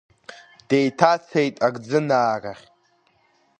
Деиҭацеит Арӡынаа рахь.